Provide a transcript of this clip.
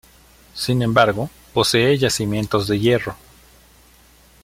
Sin embargo, posee yacimientos de hierro.